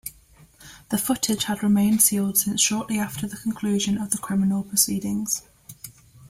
The footage had remained sealed since shortly after the conclusion of the criminal proceedings.